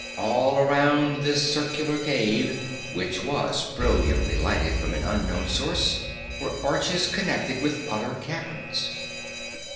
All around this circular cave, which was brilliantly lighted from an unknown source, were arches connected with other caverns.